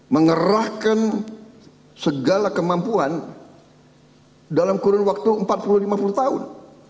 mengerahkan segala kemampuan dalam kurun waktu empat puluh lima puluh tahun